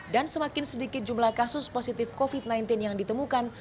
dan semakin sedikit jumlah kasus positif covid sembilan belas yang ditemukan